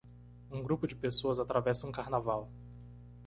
Um grupo de pessoas atravessa um carnaval.